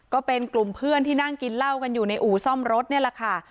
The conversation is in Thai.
ก็เป็นกลุ่มเพื่อนที่นั่งกินเหล้ากันอยู่ในอู่ซ่อมรถนี่แหละค่ะ